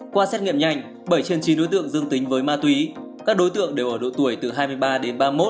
qua xét nghiệm nhanh bảy trên chín đối tượng dương tính với ma túy các đối tượng đều ở độ tuổi từ hai mươi ba đến ba mươi một